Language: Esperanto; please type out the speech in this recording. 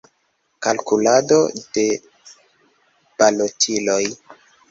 Kalkulado de balotiloj.